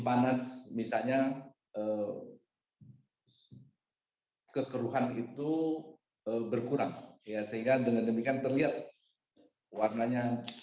dan kami berkomunikasi dengan old strategy